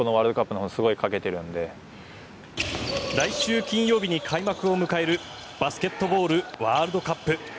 来週金曜日に開幕を迎えるバスケットボールワールドカップ。